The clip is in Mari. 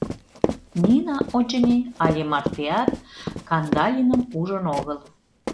Нина, очыни, але мартеат Кандалиным ужын огыл.